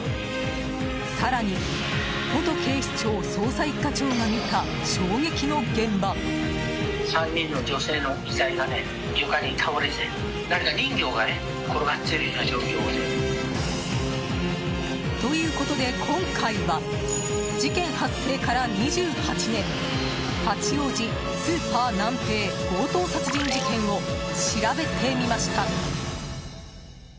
更に、元警視庁捜査１課長が見た衝撃の現場。ということで今回は事件発生から２８年八王子スーパーナンペイ強盗殺人事件を調べてみました。